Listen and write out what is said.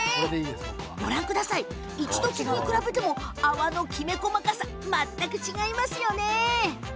一度つぎに比べても泡のきめ細かさ全く違いますよね。